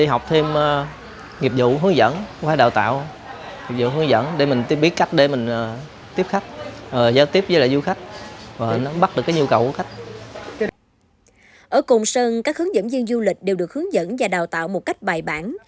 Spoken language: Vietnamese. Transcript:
ở cùng sơn các hướng dẫn viên du lịch đều được hướng dẫn và đào tạo một cách bài bản